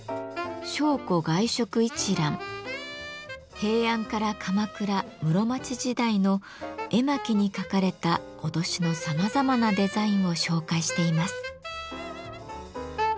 平安から鎌倉・室町時代の絵巻にかかれた威しのさまざまなデザインを紹介しています。